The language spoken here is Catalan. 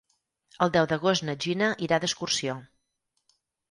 El deu d'agost na Gina irà d'excursió.